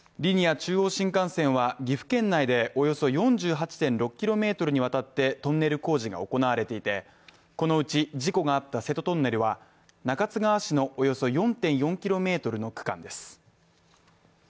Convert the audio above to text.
中央新幹線は、岐阜県内でおよそ４８．６ｋｍにわたってトンネル工事が行われていて、このうち事故があった瀬戸トンネルは、中津川市のおよそ４．４ｋｍの区間です。